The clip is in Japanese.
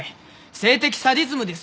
性的サディズムですよ。